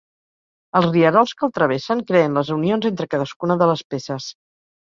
Els rierols que el travessen creen les unions entre cadascuna de les peces.